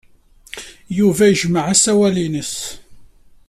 Yuba yejmeɛ asawal-nnes.